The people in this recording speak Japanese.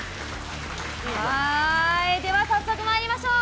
では、早速参りましょう。